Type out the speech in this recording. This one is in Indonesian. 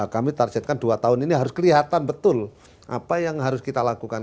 kami targetkan dua tahun ini harus kelihatan betul apa yang harus kita lakukan